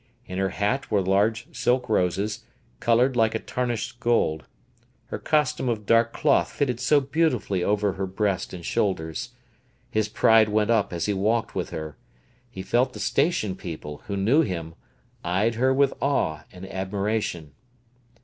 In her hat were large silk roses, coloured like tarnished gold. Her costume of dark cloth fitted so beautifully over her breast and shoulders. His pride went up as he walked with her. He felt the station people, who knew him, eyed her with awe and admiration.